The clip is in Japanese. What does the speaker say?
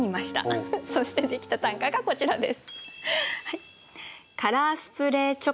そしてできた短歌がこちらです。